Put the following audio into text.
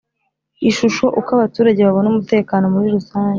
Ishusho Uko abaturage babona umutekano muri rusange